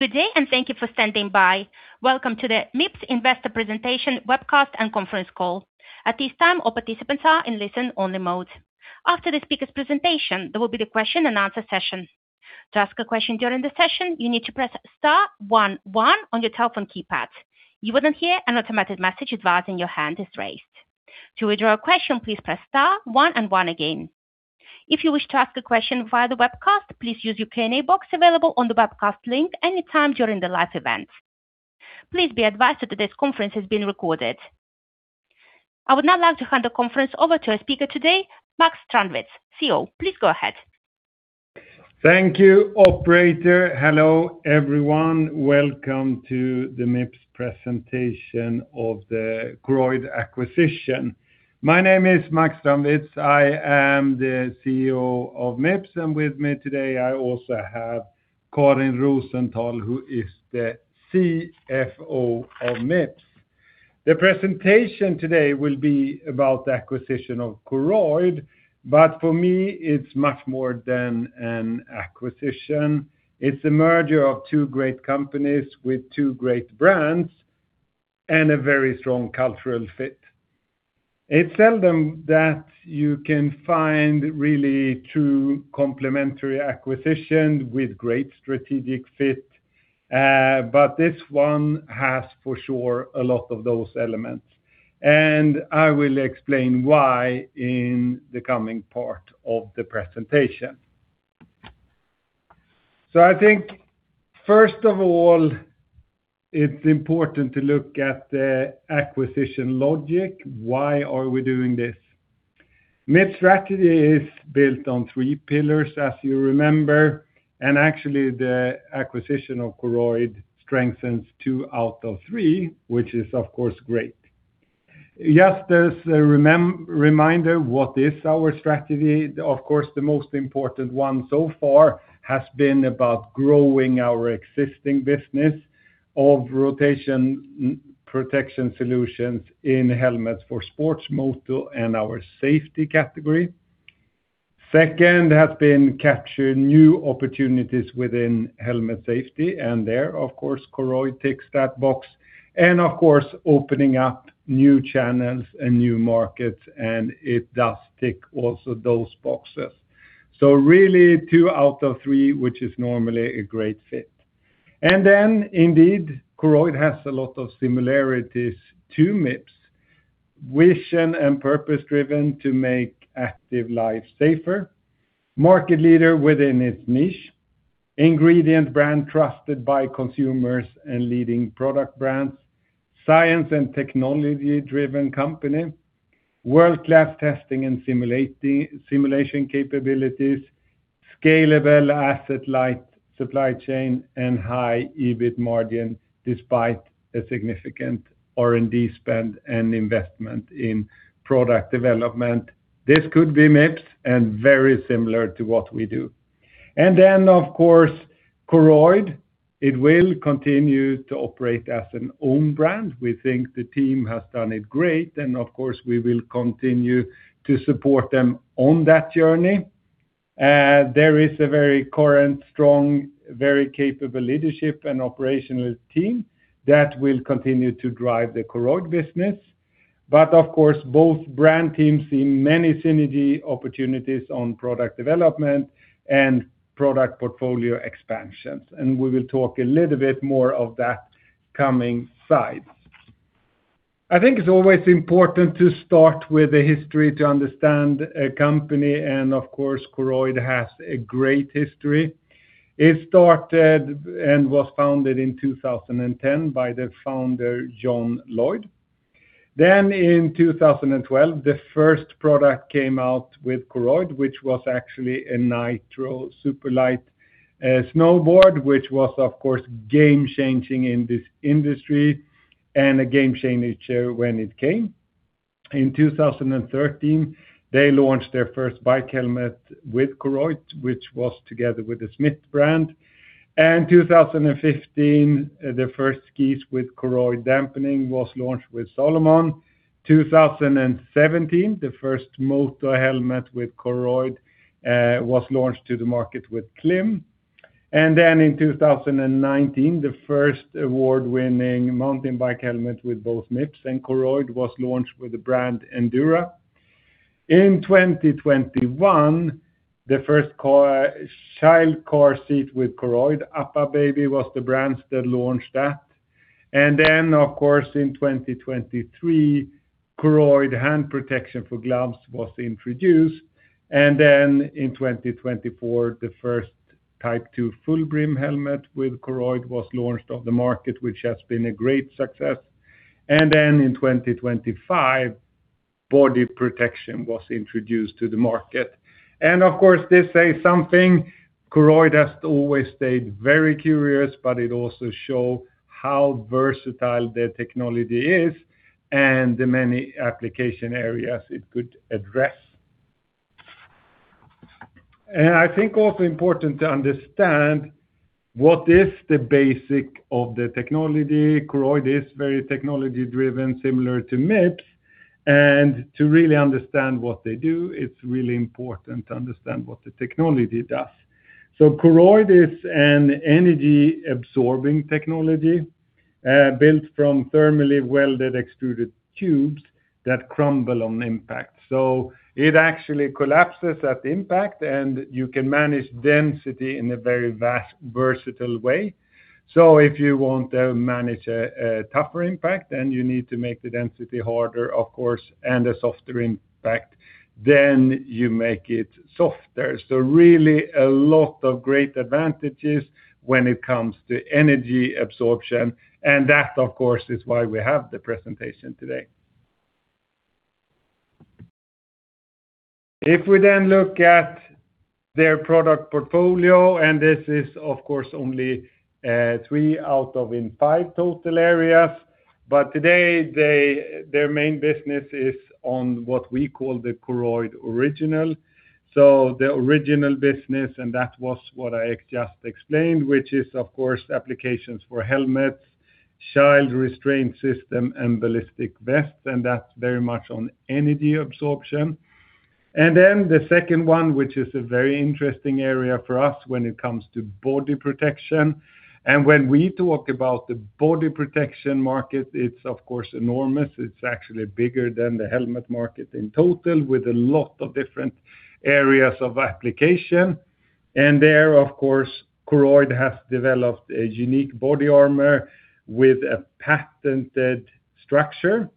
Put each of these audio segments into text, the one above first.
Good day, and thank you for standing by. Welcome to the Mips Investor Presentation Webcast and Conference Call. At this time, all participants are in listen-only mode. After the speaker's presentation, there will be the question-and-answer session. To ask a question during the session, you need to press star one one on your telephone keypad. You will then hear an automated message advising your hand is raised. To withdraw a question, please press star one one again. If you wish to ask a question via the webcast, please use your Q&A box available on the webcast link anytime during the live event. Please be advised that today's conference is being recorded. I would now like to hand the conference over to our speaker today, Max Strandwitz, CEO. Please go ahead. Thank you, Operator. Hello, everyone. Welcome to the Mips presentation of the Koroyd acquisition. My name is Max Strandwitz. I am the CEO of Mips, and with me today, I also have Karin Rosenthal, who is the CFO of Mips. The presentation today will be about the acquisition of Koroyd, but for me, it's much more than an acquisition. It's the merger of two great companies with two great brands and a very strong cultural fit. It's seldom that you can find really true complementary acquisitions with great strategic fit, but this one has for sure a lot of those elements, and I will explain why in the coming part of the presentation. So I think, first of all, it's important to look at the acquisition logic. Why are we doing this? Mips' strategy is built on three pillars, as you remember, and actually, the acquisition of Koroyd strengthens two out of three, which is, of course, great. Just as a reminder, what is our strategy? Of course, the most important one so far has been about growing our existing business of rotation protection solutions in helmets for sports, moto, and our safety category. Second, it has been capturing new opportunities within helmet safety, and there, of course, Koroyd ticks that box. And, of course, opening up new channels and new markets, and it does tick also those boxes. So really, two out of three, which is normally a great fit. And then, indeed, Koroyd has a lot of similarities to Mips, vision and purpose-driven to make active lives safer, market leader within its niche, ingredient brand trusted by consumers and leading product brands, science and technology-driven company, world-class testing and simulation capabilities, scalable asset-light supply chain, and high EBIT margin despite a significant R&D spend and investment in product development. This could be Mips and very similar to what we do. And then, of course, Koroyd, it will continue to operate as an own brand. We think the team has done it great, and, of course, we will continue to support them on that journey. There is a very current, strong, very capable leadership and operational team that will continue to drive the Koroyd business. But, of course, both brand teams see many synergy opportunities on product development and product portfolio expansions, and we will talk a little bit more of that coming slides. I think it's always important to start with the history to understand a company, and, of course, Koroyd has a great history. It started and was founded in 2010 by the founder, John Lloyd. Then, in 2012, the first product came out with Koroyd, which was actually a Nitro superlight snowboard, which was, of course, game-changing in this industry and a game changer when it came. In 2013, they launched their first bike helmet with Koroyd, which was together with the Smith brand. And in 2015, the first skis with Koroyd dampening was launched with Salomon. In 2017, the first moto helmet with Koroyd was launched to the market with Klim. In 2019, the first award-winning mountain bike helmet with both Mips and Koroyd was launched with the brand Endura. In 2021, the first child car seat with Koroyd, UPPAbaby, was the brand that launched that. In 2023, Koroyd hand protection for gloves was introduced. In 2024, the first Type II full brim helmet with Koroyd was launched on the market, which has been a great success. In 2025, body protection was introduced to the market. This says something. Koroyd has always stayed very curious, but it also shows how versatile the technology is and the many application areas it could address. I think it is also important to understand what is the basis of the technology. Koroyd is very technology-driven, similar to Mips. And to really understand what they do, it's really important to understand what the technology does. So Koroyd is an energy-absorbing technology built from thermally welded extruded tubes that crumple on impact. So it actually collapses at impact, and you can manage density in a very versatile way. So if you want to manage a tougher impact and you need to make the density harder, of course, and a softer impact, then you make it softer. So really, a lot of great advantages when it comes to energy absorption, and that, of course, is why we have the presentation today. If we then look at their product portfolio, and this is, of course, only three out of five total areas, but today, their main business is on what we call the Koroyd Original. So the original business, and that was what I just explained, which is, of course, applications for helmets, child restraint system, and ballistic vests, and that's very much on energy absorption. And then the second one, which is a very interesting area for us when it comes to body protection. And when we talk about the body protection market, it's, of course, enormous. It's actually bigger than the helmet market in total, with a lot of different areas of application. And there, of course, Koroyd has developed a unique body armor with a patented structure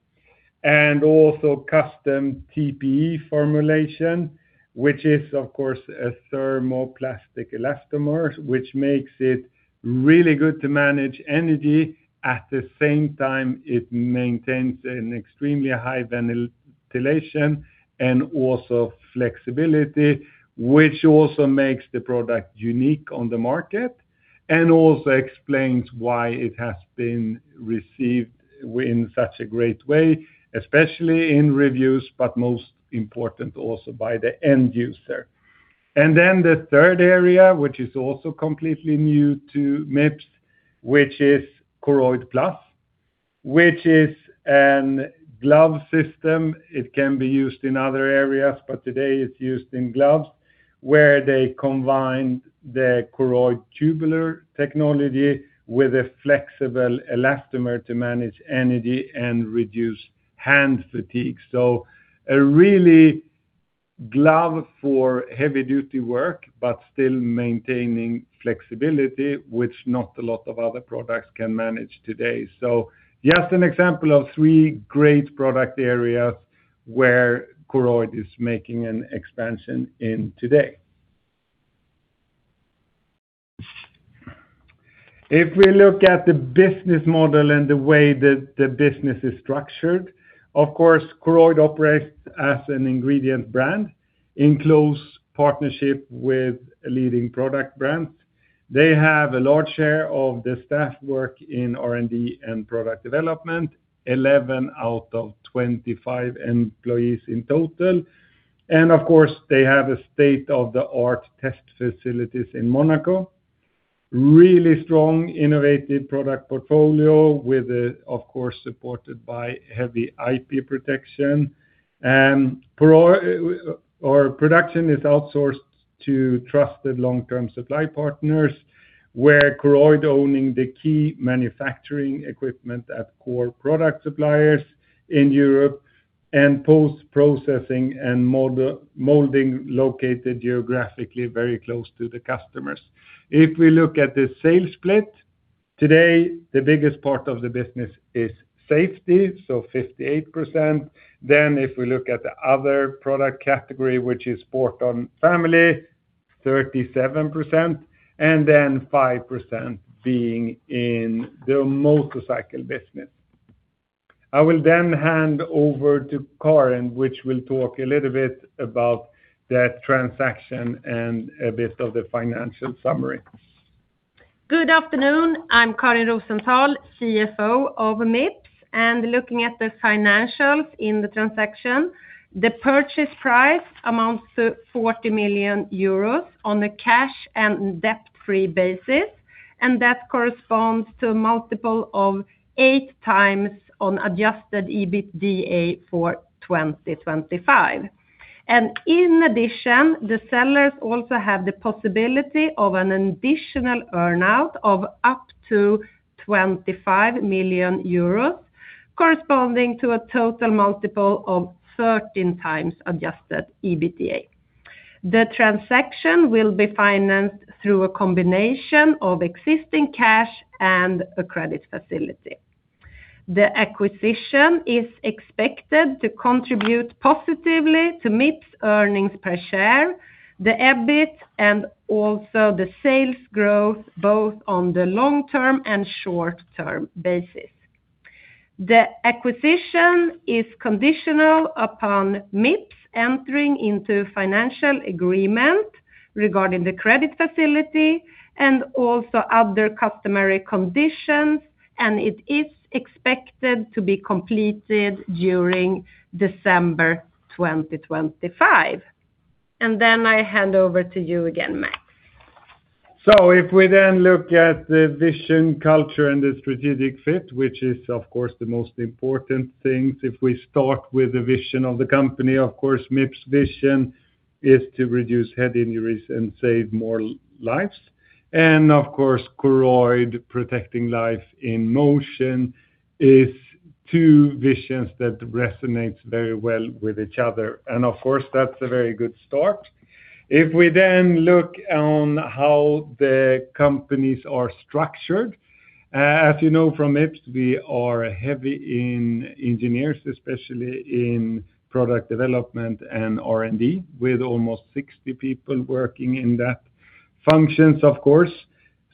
a`nd also custom TPE formulation, which is, of course, a thermoplastic elastomer, which makes it really good to manage energy. At the same time, it maintains an extremely high ventilation and also flexibility, which also makes the product unique on the market and also explains why it has been received in such a great way, especially in reviews, but most important also by the end user. And then the third area, which is also completely new to Mips, which is Koroyd Plus, which is a glove system. It can be used in other areas, but today it's used in gloves where they combine the Koroyd tubular technology with a flexible elastomer to manage energy and reduce hand fatigue. So a really glove for heavy-duty work, but still maintaining flexibility, which not a lot of other products can manage today. So just an example of three great product areas where Koroyd is making an expansion in today. If we look at the business model and the way that the business is structured, of course, Koroyd operates as an ingredient brand, in close partnership with leading product brands. They have a large share of the staff work in R&D and product development, 11 out of 25 employees in total. And, of course, they have state-of-the-art test facilities in Monaco, really strong, innovative product portfolio with, of course, supported by heavy IP protection. Our production is outsourced to trusted long-term supply partners where Koroyd is owning the key manufacturing equipment at core product suppliers in Europe and post-processing and molding located geographically very close to the customers. If we look at the sales split today, the biggest part of the business is safety, so 58%. Then, if we look at the other product category, which is sports and family, 37%, and then 5% being in the motorcycle business. I will then hand over to Karin, which will talk a little bit about that transaction and a bit of the financial summary. Good afternoon. I'm Karin Rosenthal, CFO of Mips, and looking at the financials in the transaction, the purchase price amounts to 40 million euros on a cash and debt-free basis, and that corresponds to multiple of eight times on adjusted EBITDA for 2025, and in addition, the sellers also have the possibility of an additional earnout of up to 25 million euros corresponding to a total multiple of 13 times adjusted EBITDA. The transaction will be financed through a combination of existing cash and a credit facility. The acquisition is expected to contribute positively to Mips' earnings per share, the EBIT, and also the sales growth both on the long-term and short-term basis. The acquisition is conditional upon Mips entering into a financial agreement regarding the credit facility and also other customary conditions, and it is expected to be completed during December 2025, and then I hand over to you again, Max. If we then look at the vision, culture, and the strategic fit, which is, of course, the most important things, if we start with the vision of the company, of course, Mips' vision is to reduce head injuries and save more lives. And, of course, Koroyd protecting life in motion is two visions that resonate very well with each other. And, of course, that's a very good start. If we then look on how the companies are structured, as you know from Mips, we are heavy in engineers, especially in product development and R&D, with almost 60 people working in that functions, of course.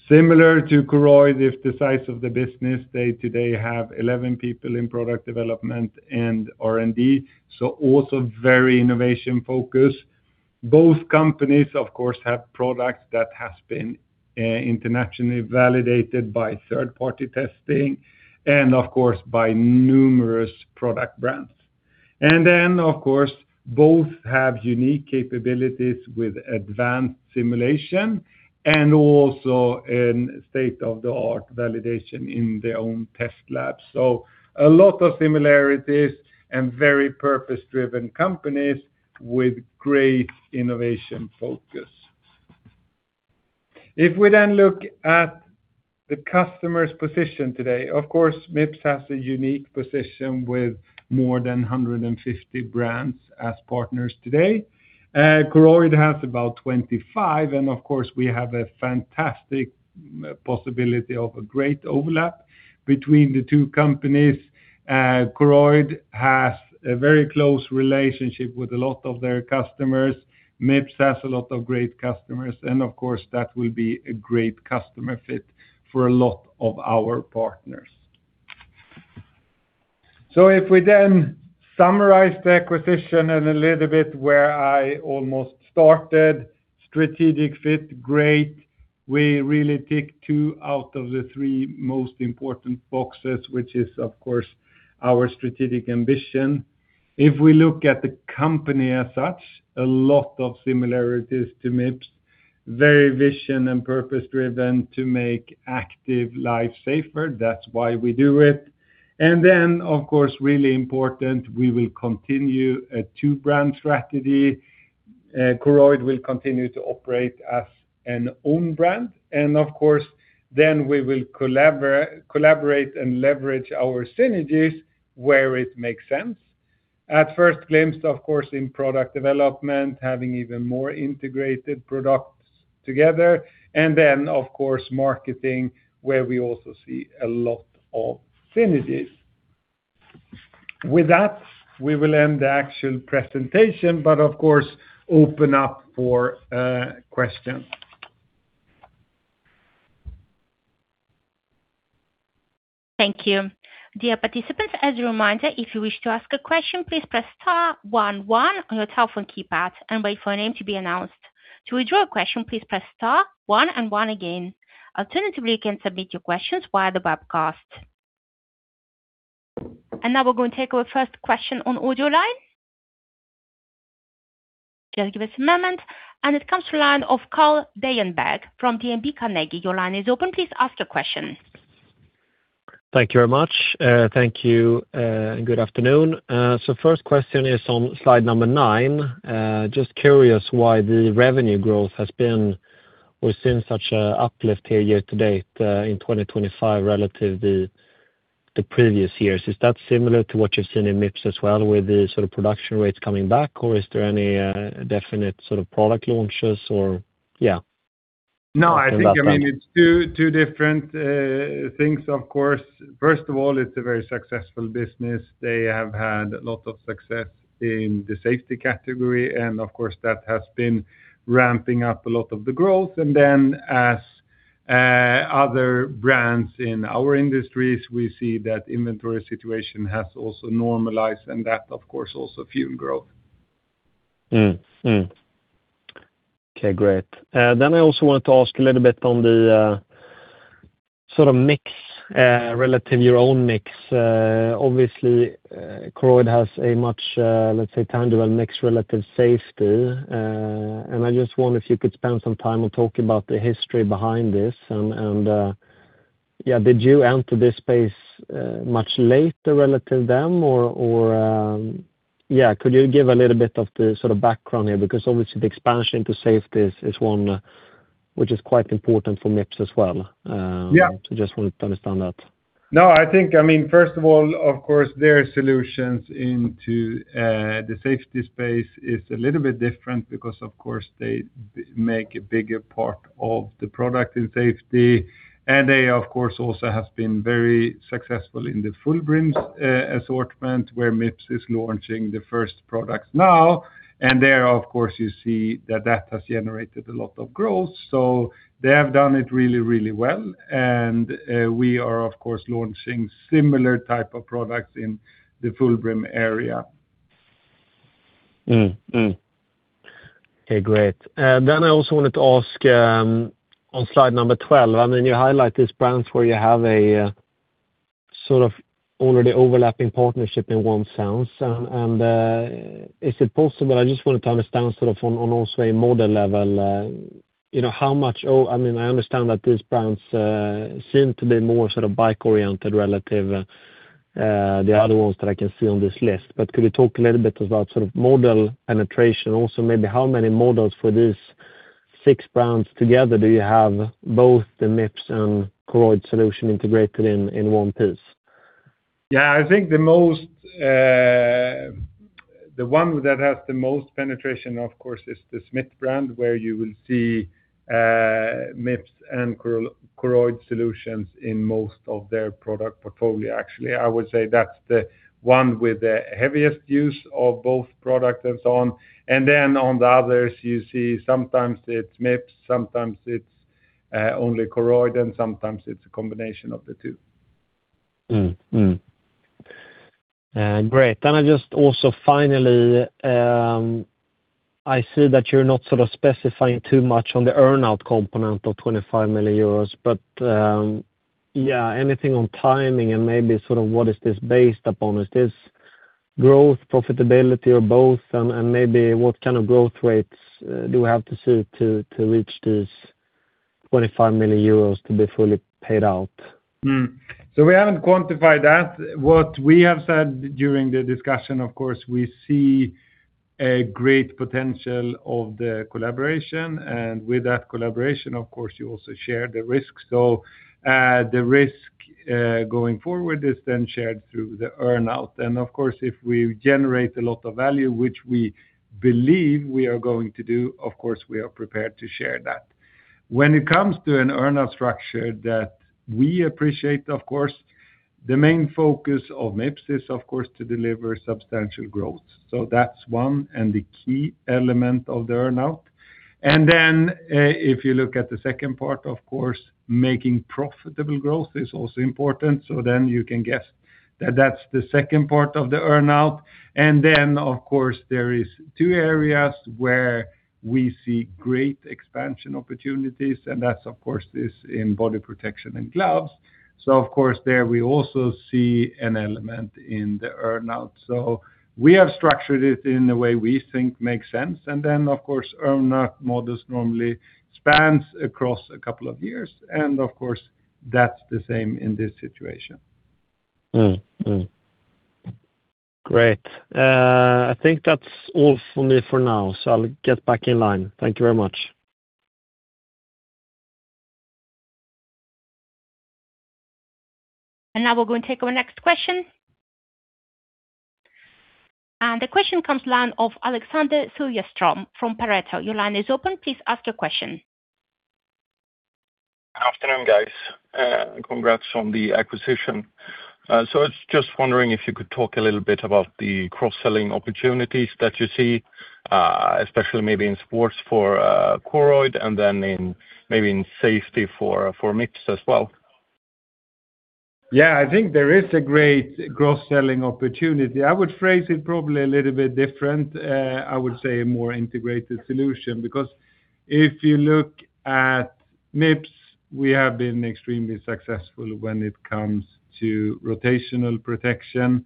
Similar to Koroyd, if the size of the business, they today have 11 people in product development and R&D, so also very innovation-focused. Both companies, of course, have products that have been internationally validated by third-party testing and, of course, by numerous product brands. And then, of course, both have unique capabilities with advanced simulation and also state-of-the-art validation in their own test labs. So a lot of similarities and very purpose-driven companies with great innovation focus. If we then look at the customer's position today, of course, Mips has a unique position with more than 150 brands as partners today. Koroyd has about 25, and, of course, we have a fantastic possibility of a great overlap between the two companies. Koroyd has a very close relationship with a lot of their customers. Mips has a lot of great customers, and, of course, that will be a great customer fit for a lot of our partners. So if we then summarize the acquisition and a little bit where I almost started, strategic fit, great. We really tick two out of the three most important boxes, which is, of course, our strategic ambition. If we look at the company as such, a lot of similarities to Mips, very vision and purpose-driven to make active life safer. That's why we do it. And then, of course, really important, we will continue a two-brand strategy. Koroyd will continue to operate as an own brand. And, of course, then we will collaborate and leverage our synergies where it makes sense. At first glimpse, of course, in product development, having even more integrated products together, and then, of course, marketing where we also see a lot of synergies. With that, we will end the actual presentation, but, of course, open up for questions. Thank you. Dear participants, as a reminder, if you wish to ask a question, please press star, one, one on your telephone keypad and wait for your name to be announced. To withdraw a question, please press star, one, and one again. Alternatively, you can submit your questions via the webcast. And now we're going to take our first question on audio line. Just give us a moment. And it comes from the line of Carl Deijenberg from DNB Carnegie. Your line is open. Please ask your question. Thank you very much. Thank you and good afternoon. So first question is on slide number nine. Just curious why the revenue growth has been or seen such an uplift here year to date in 2025 relative to the previous years. Is that similar to what you've seen in Mips as well with the sort of production rates coming back, or is there any definite sort of product launches or yeah? No, I think, I mean, it's two different things, of course. First of all, it's a very successful business. They have had a lot of success in the safety category, and, of course, that has been ramping up a lot of the growth. And then, as other brands in our industries, we see that inventory situation has also normalized and that, of course, also fueled growth. Okay, great. Then I also wanted to ask a little bit on the sort of mix relative to your own mix. Obviously, Koroyd has a much, let's say, tangible mix relative to safety. And I just wonder if you could spend some time on talking about the history behind this. And yeah, did you enter this space much later relative to them or yeah, could you give a little bit of the sort of background here? Because obviously, the expansion into safety is one, which is quite important for Mips as well. So just wanted to understand that. No, I think, I mean, first of all, of course, their solutions into the safety space is a little bit different because, of course, they make a bigger part of the product in safety. And they, of course, also have been very successful in the full brims assortment where Mips is launching the first products now. And there, of course, you see that that has generated a lot of growth. So they have done it really, really well. And we are, of course, launching similar type of products in the full brim area. Okay, great. Then I also wanted to ask on slide number 12, I mean, you highlight these brands where you have a sort of already overlapping partnership in one sense. And is it possible? I just wanted to understand sort of on also a model level, how much, I mean, I understand that these brands seem to be more sort of bike-oriented relative to the other ones that I can see on this list. But could you talk a little bit about sort of model penetration? Also, maybe how many models for these six brands together do you have both the Mips and Koroyd solution integrated in one piece? Yeah, I think the most, the one that has the most penetration, of course, is the Smith brand where you will see Mips and Koroyd solutions in most of their product portfolio. Actually, I would say that's the one with the heaviest use of both products and so on, and then on the others, you see sometimes it's Mips, sometimes it's only Koroyd, and sometimes it's a combination of the two. Great. Then I just also finally, I see that you're not sort of specifying too much on the earnout component of 25 million euros. But yeah, anything on timing and maybe sort of what is this based upon? Is this growth, profitability, or both? And maybe what kind of growth rates do we have to see to reach these 25 million euros to be fully paid out? So we haven't quantified that. What we have said during the discussion, of course, we see a great potential of the collaboration. And with that collaboration, of course, you also share the risk. So the risk going forward is then shared through the earnout. And, of course, if we generate a lot of value, which we believe we are going to do, of course, we are prepared to share that. When it comes to an earnout structure that we appreciate, of course, the main focus of Mips is, of course, to deliver substantial growth. So that's one and the key element of the earnout. And then if you look at the second part, of course, making profitable growth is also important. So then you can guess that that's the second part of the earnout. And then, of course, there are two areas where we see great expansion opportunities. And that's, of course, this in body protection and gloves. So, of course, there we also see an element in the earnout. So we have structured it in the way we think makes sense. And then, of course, earnout models normally span across a couple of years. And, of course, that's the same in this situation. Great. I think that's all for me for now. So I'll get back in line. Thank you very much. Now we're going to take our next question. The question comes from Alexander Siljeström from Pareto. Your line is open. Please ask your question. Good afternoon, guys. Congrats on the acquisition. So I was just wondering if you could talk a little bit about the cross-selling opportunities that you see, especially maybe in sports for Koroyd and then maybe in safety for Mips as well? Yeah, I think there is a great cross-selling opportunity. I would phrase it probably a little bit different. I would say a more integrated solution because if you look at Mips, we have been extremely successful when it comes to rotational protection.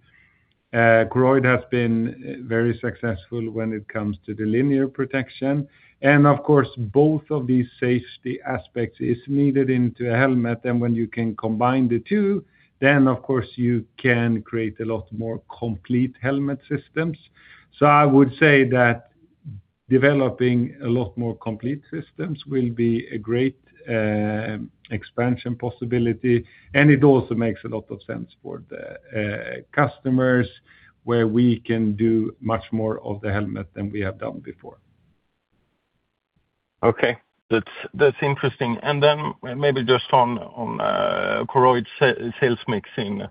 Koroyd has been very successful when it comes to the linear protection. And, of course, both of these safety aspects are needed into a helmet. And when you can combine the two, then, of course, you can create a lot more complete helmet systems. So I would say that developing a lot more complete systems will be a great expansion possibility. And it also makes a lot of sense for the customers where we can do much more of the helmet than we have done before. Okay. That's interesting. And then maybe just on Koroyd's sales mix in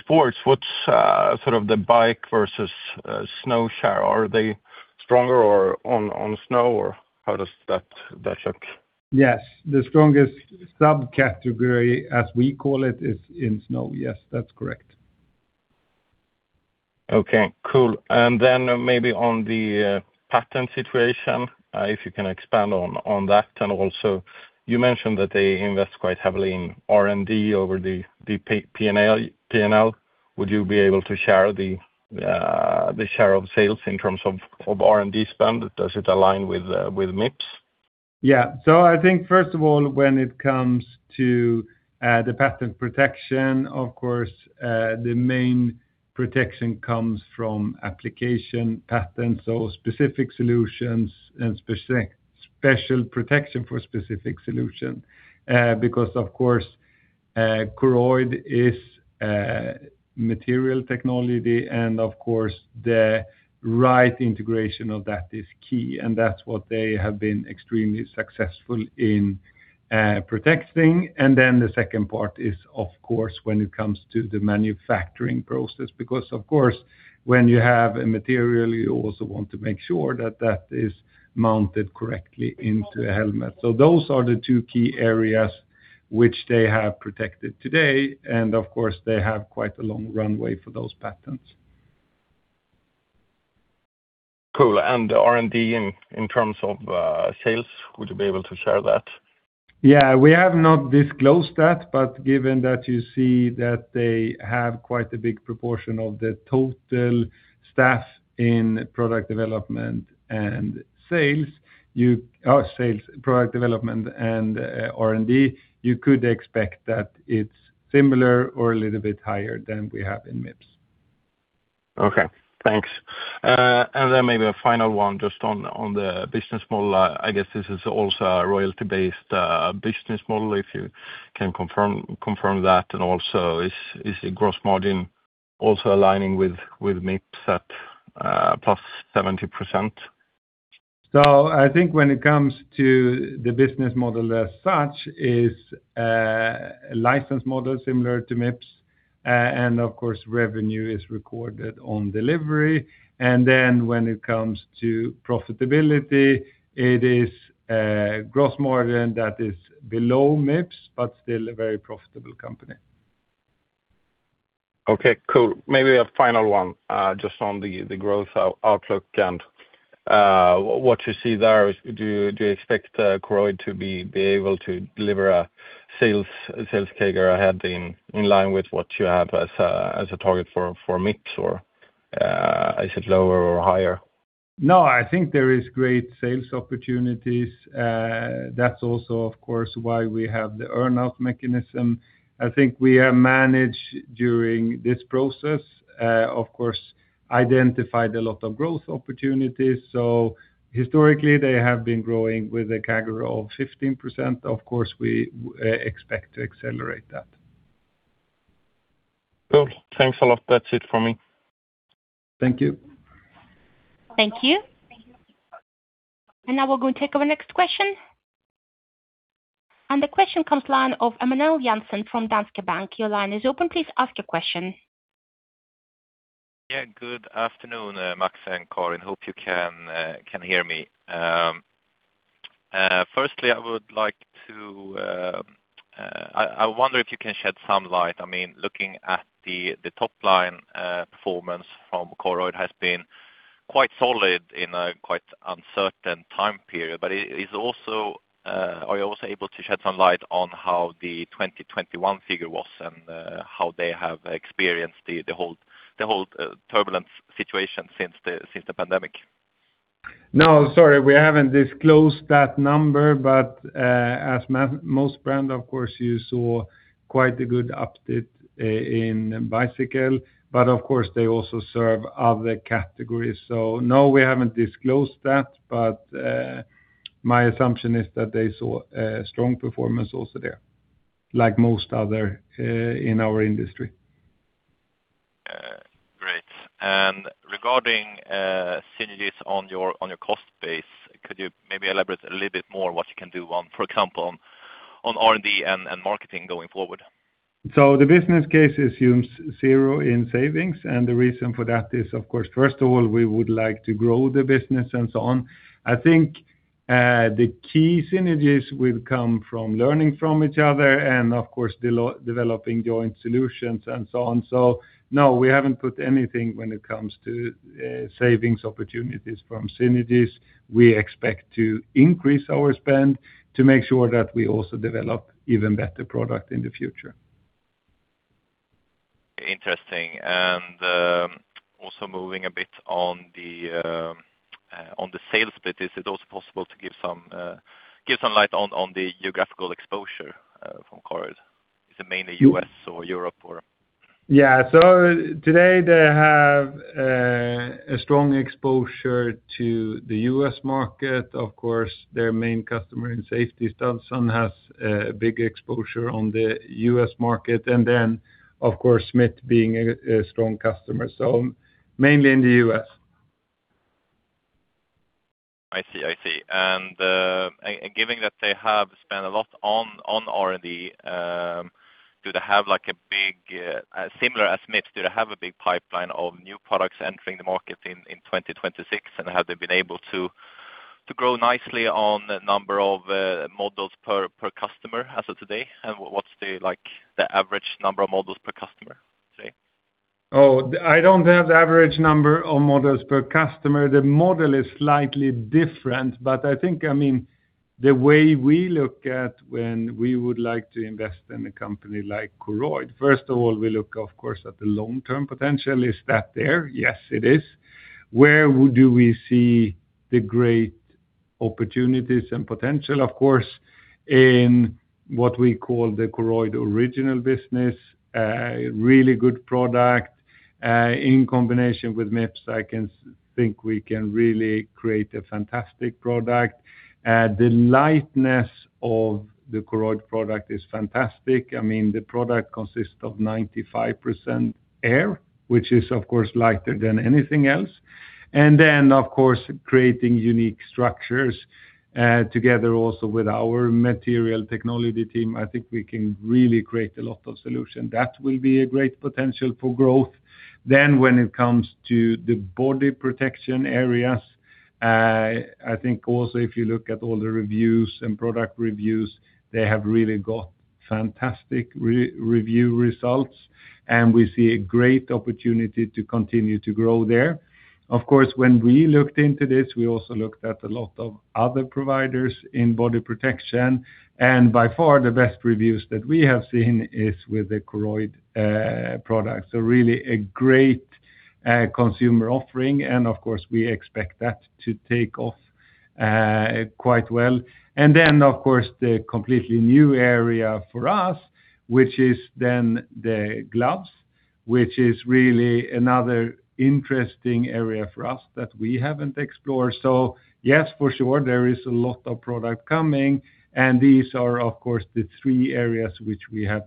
sports, what's sort of the bike versus snow share? Are they stronger on snow or how does that look? Yes. The strongest subcategory, as we call it, is in snow. Yes, that's correct. Okay. Cool. And then maybe on the patent situation, if you can expand on that. And also, you mentioned that they invest quite heavily in R&D over the P&L. Would you be able to share the share of sales in terms of R&D spend? Does it align with Mips? Yeah. So I think, first of all, when it comes to the patent protection, of course, the main protection comes from application patents, so specific solutions and special protection for specific solutions. Because, of course, Koroyd is material technology, and, of course, the right integration of that is key. And that's what they have been extremely successful in protecting. And then the second part is, of course, when it comes to the manufacturing process. Because, of course, when you have a material, you also want to make sure that that is mounted correctly into a helmet. So those are the two key areas which they have protected today. And, of course, they have quite a long runway for those patents. Cool. And R&D in terms of sales, would you be able to share that? Yeah, we have not disclosed that, but given that you see that they have quite a big proportion of the total staff in product development and sales, product development and R&D, you could expect that it's similar or a little bit higher than we have in Mips. Okay. Thanks. And then maybe a final one just on the business model. I guess this is also a royalty-based business model, if you can confirm that. And also, is the gross margin also aligning with Mips at +70%? I think when it comes to the business model as such, it's a license model similar to Mips. And, of course, revenue is recorded on delivery. And then when it comes to profitability, it is a gross margin that is below Mips, but still a very profitable company. Okay. Cool. Maybe a final one just on the growth outlook and what you see there. Do you expect Koroyd to be able to deliver a sales CAGR ahead in line with what you have as a target for Mips? Or is it lower or higher? No, I think there are great sales opportunities. That's also, of course, why we have the earnout mechanism. I think we have managed during this process, of course, identified a lot of growth opportunities. So historically, they have been growing with a CAGR of 15%. Of course, we expect to accelerate that. Cool. Thanks a lot. That's it for me. Thank you. Thank you. Now we're going to take our next question. The question comes from Emanuel Jansson from Danske Bank. Your line is open. Please ask your question. Yeah. Good afternoon, Max and Karin. Hope you can hear me. Firstly, I wonder if you can shed some light. I mean, looking at the top-line performance from Koroyd, it has been quite solid in a quite uncertain time period. But are you also able to shed some light on how the 2021 figure was and how they have experienced the whole turbulence situation since the pandemic? No, sorry, we haven't disclosed that number but as most brands, of course, you saw quite a good uptick in bicycle but, of course, they also serve other categories so no, we haven't disclosed that but my assumption is that they saw strong performance also there, like most other in our industry. Great. And regarding synergies on your cost base, could you maybe elaborate a little bit more on what you can do on, for example, on R&D and marketing going forward? So the business case assumes zero in savings. And the reason for that is, of course, first of all, we would like to grow the business and so on. I think the key synergies will come from learning from each other and, of course, developing joint solutions and so on. So no, we haven't put anything when it comes to savings opportunities from synergies. We expect to increase our spend to make sure that we also develop even better product in the future. Interesting. And also moving a bit on the sales split, is it also possible to give some light on the geographical exposure from Koroyd? Is it mainly U.S. or Europe? Yeah. So today, they have a strong exposure to the U.S. market. Of course, their main customer in safety, STUDSON, has a big exposure on the U.S. market. And then, of course, Smith being a strong customer. So mainly in the U.S. I see. I see. And given that they have spent a lot on R&D, do they have a big, similar as Mips, do they have a big pipeline of new products entering the market in 2026? And have they been able to grow nicely on the number of models per customer as of today? And what's the average number of models per customer today? Oh, I don't have the average number of models per customer. The model is slightly different. But I think, I mean, the way we look at when we would like to invest in a company like Koroyd, first of all, we look, of course, at the long-term potential. Is that there? Yes, it is. Where do we see the great opportunities and potential? Of course, in what we call the Koroyd Original business, really good product. In combination with Mips, I can think we can really create a fantastic product. The lightness of the Koroyd product is fantastic. I mean, the product consists of 95% air, which is, of course, lighter than anything else. And then, of course, creating unique structures together also with our material technology team, I think we can really create a lot of solutions. That will be a great potential for growth. Then when it comes to the body protection areas, I think also if you look at all the reviews and product reviews, they have really got fantastic review results. And we see a great opportunity to continue to grow there. Of course, when we looked into this, we also looked at a lot of other providers in body protection. And by far, the best reviews that we have seen is with the Koroyd product. So really a great consumer offering. And, of course, we expect that to take off quite well. And then, of course, the completely new area for us, which is then the gloves, which is really another interesting area for us that we haven't explored. So yes, for sure, there is a lot of product coming. And these are, of course, the three areas which we have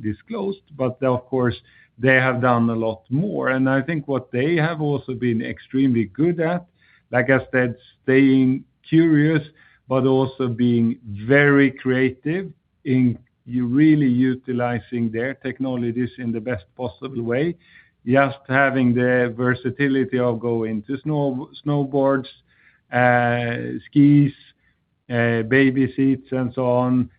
disclosed. But, of course, they have done a lot more. I think what they have also been extremely good at, like I said, staying curious, but also being very creative in really utilizing their technologies in the best possible way. Just having the versatility of going to snowboards, skis, baby seats, and so on,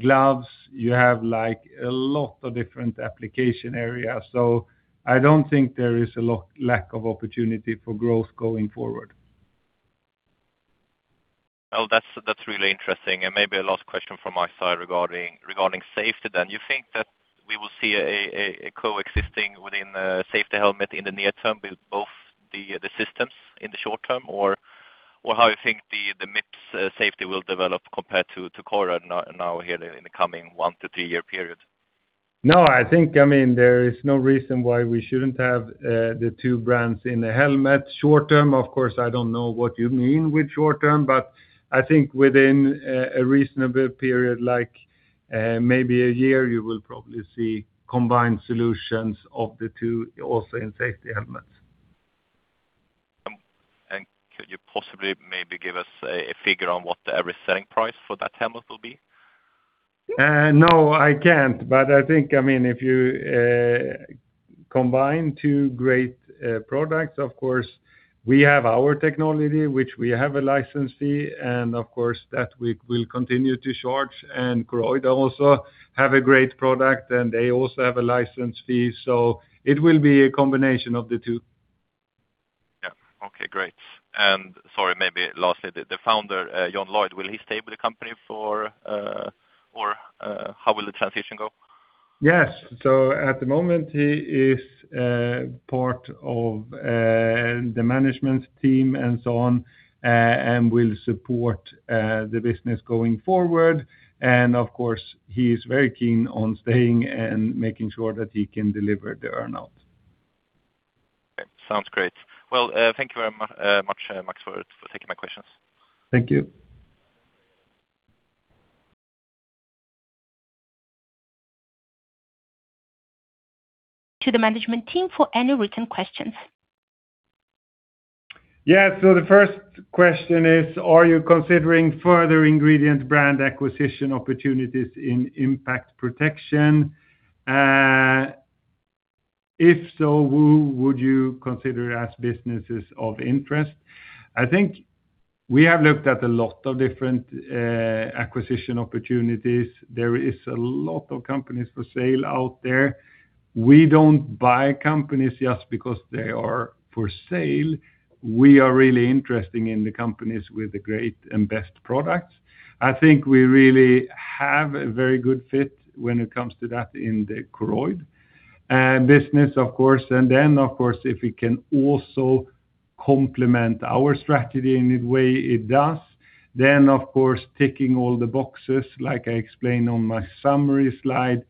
gloves. You have a lot of different application areas. I don't think there is a lack of opportunity for growth going forward. That's really interesting. Maybe a last question from my side regarding safety then. You think that we will see a coexisting within safety helmet in the near term with both the systems in the short term? Or how do you think the Mips safety will develop compared to Koroyd now here in the coming one to three-year period? No, I think, I mean, there is no reason why we shouldn't have the two brands in the helmet. Short term, of course, I don't know what you mean with short term? But I think within a reasonable period, like maybe a year, you will probably see combined solutions of the two also in safety helmets. Could you possibly maybe give us a figure on what the average selling price for that helmet will be? No, I can't, but I think, I mean, if you combine two great products, of course, we have our technology, which we have a license fee, and, of course, that we will continue to charge. And Koroyd also have a great product. And they also have a license fee, so it will be a combination of the two. Yeah. Okay. Great. And sorry, maybe lastly, the founder, John Lloyd, will he stay with the company for, or how will the transition go? Yes, so at the moment, he is part of the management team and so on and will support the business going forward, and, of course, he is very keen on staying and making sure that he can deliver the earnout. Sounds great. Thank you very much, Max, for taking my questions. Thank you. To the management team for any written questions. Yeah. So the first question is, are you considering further ingredient brand acquisition opportunities in impact protection? If so, who would you consider as businesses of interest? I think we have looked at a lot of different acquisition opportunities. There are a lot of companies for sale out there. We don't buy companies just because they are for sale. We are really interested in the companies with the great and best products. I think we really have a very good fit when it comes to that in the Koroyd business, of course. And then, of course, if we can also complement our strategy in the way it does, then, of course, ticking all the boxes, like I explained on my summary slide,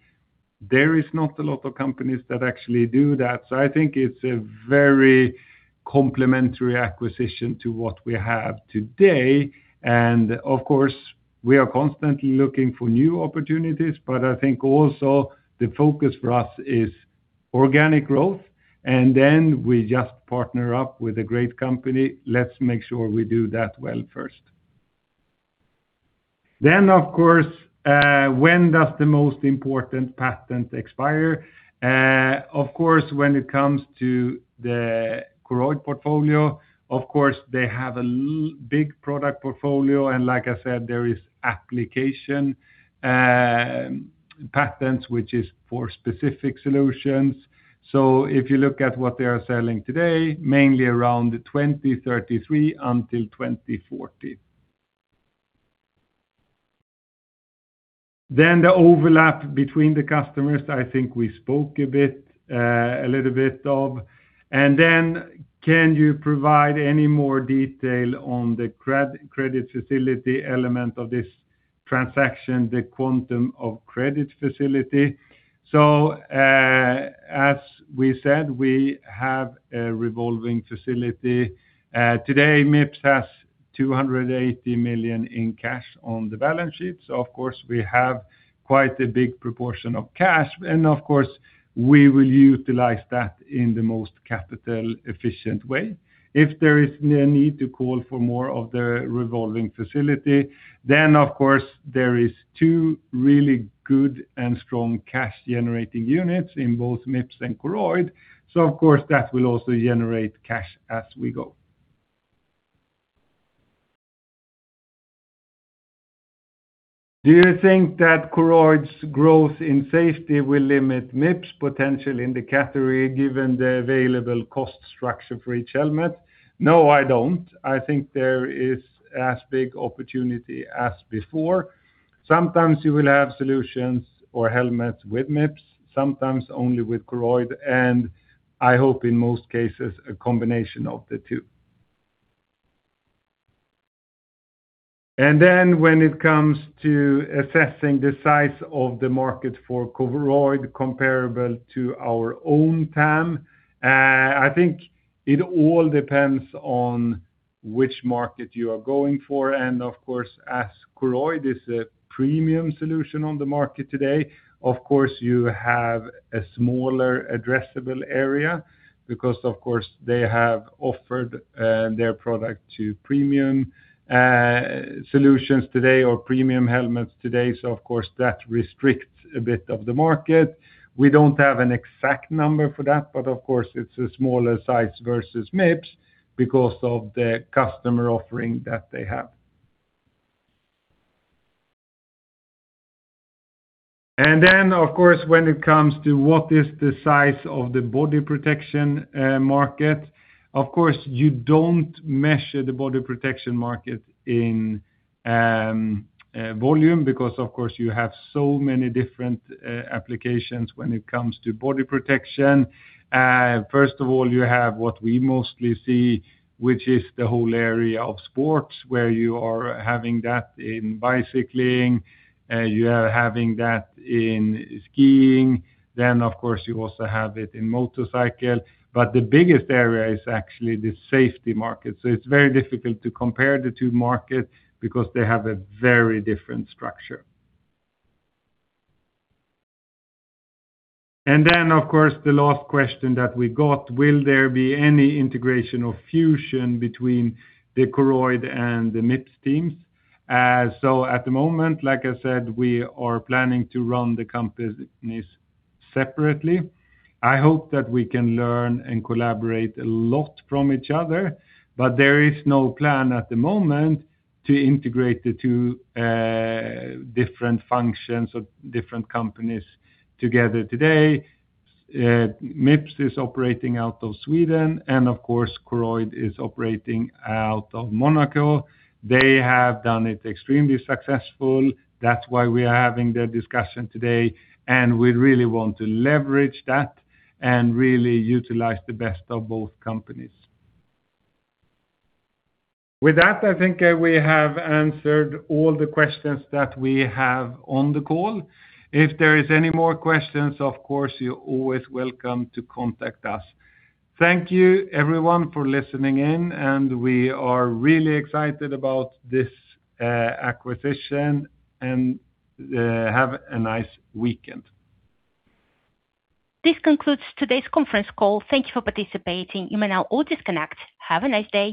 there are not a lot of companies that actually do that. So I think it's a very complementary acquisition to what we have today. Of course, we are constantly looking for new opportunities. I think also the focus for us is organic growth. Then we just partner up with a great company. Let's make sure we do that well first. Of course, when does the most important patent expire? Of course, when it comes to the Koroyd portfolio, of course, they have a big product portfolio. Like I said, there are application patents, which are for specific solutions. If you look at what they are selling today, mainly around 2033 until 2040. The overlap between the customers, I think we spoke a little bit of. Can you provide any more detail on the credit facility element of this transaction, the quantum of credit facility? As we said, we have a revolving facility. Today, Mips has 280 million in cash on the balance sheet. So, of course, we have quite a big proportion of cash. And, of course, we will utilize that in the most capital-efficient way. If there is a need to call for more of the revolving facility, then, of course, there are two really good and strong cash-generating units in both Mips and Koroyd. So, of course, that will also generate cash as we go. Do you think that Koroyd's growth in safety will limit Mips' potential in the category given the available cost structure for each helmet? No, I don't. I think there is as big opportunity as before. Sometimes you will have solutions or helmets with Mips, sometimes only with Koroyd. And I hope in most cases, a combination of the two. And then when it comes to assessing the size of the market for Koroyd comparable to our own TAM, I think it all depends on which market you are going for. And, of course, as Koroyd is a premium solution on the market today, of course, you have a smaller addressable area because, of course, they have offered their product to premium solutions today or premium helmets today. So, of course, that restricts a bit of the market. We don't have an exact number for that. But, of course, it's a smaller size versus Mips because of the customer offering that they have. And then, of course, when it comes to what is the size of the body protection market, of course, you don't measure the body protection market in volume because, of course, you have so many different applications when it comes to body protection. First of all, you have what we mostly see, which is the whole area of sports where you are having that in bicycling. You are having that in skiing. Then, of course, you also have it in motorcycle. But the biggest area is actually the safety market, so it's very difficult to compare the two markets because they have a very different structure, and then, of course, the last question that we got, will there be any integration or fusion between the Koroyd and the Mips teams, so at the moment, like I said, we are planning to run the companies separately. I hope that we can learn and collaborate a lot from each other, but there is no plan at the moment to integrate the two different functions of different companies together today. Mips is operating out of Sweden, and, of course, Koroyd is operating out of Monaco. They have done it extremely successfully. That's why we are having the discussion today. And we really want to leverage that and really utilize the best of both companies. With that, I think we have answered all the questions that we have on the call. If there are any more questions, of course, you're always welcome to contact us. Thank you, everyone, for listening in. And we are really excited about this acquisition. And have a nice weekend. This concludes today's conference call. Thank you for participating. You may now all disconnect. Have a nice day.